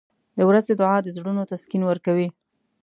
• د ورځې دعا د زړونو تسکین ورکوي.